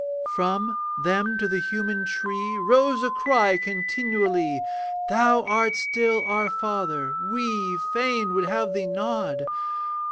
From, them to the human tree Rose a cry continually, 'Thou art still, our Father, we Fain would have thee nod.